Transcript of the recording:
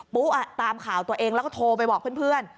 ตามข่าวตัวเองแล้วก็โทรไปบอกเพื่อน